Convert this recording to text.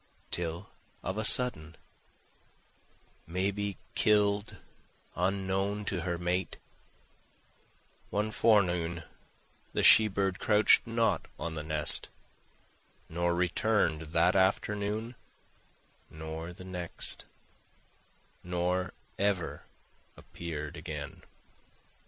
Till of a sudden, May be kill'd, unknown to her mate, One forenoon the she bird crouch'd not on the nest, Nor return'd that afternoon, nor the next, Nor ever appear'd again.